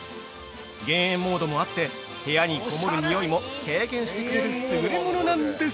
減煙モードもあって、部屋にこもる匂いも軽減してくれる優れものです！